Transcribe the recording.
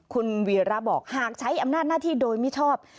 คุณวีระบอกหากใช้อำนาจหน้าที่โดยมิชอบ